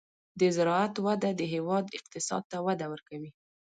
د زراعت وده د هېواد اقتصاد ته وده ورکوي.